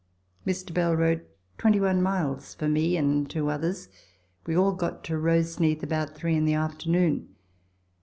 Mr. Bell rode 21 miles for me and two others ; we all got to Roseneath about three in the afternoon.